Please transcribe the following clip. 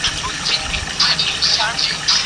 范围包括帕拉州东北部。